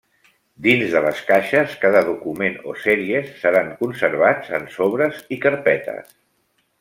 Dins de les caixes cada document o sèries seran conservats en sobres i carpetes.